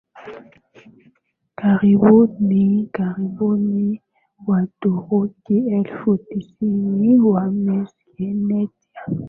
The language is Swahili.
karibuni karibu Waturuki elfu tisini wa Meskhetian